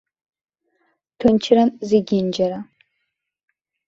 Ҭынчран зегьынџьара.